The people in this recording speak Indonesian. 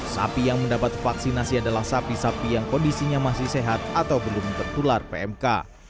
sapi yang mendapat vaksinasi adalah sapi sapi yang kondisinya masih sehat atau belum tertular pmk